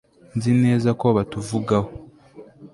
nzi neza ko batuvugaho